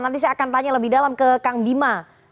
nanti saya akan tanya lebih dalam ke kang bima